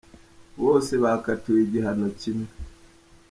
Bose bakatiwe igihano kimwe.